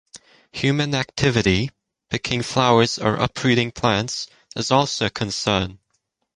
Human activity - picking flowers or uprooting plants - is also a concern.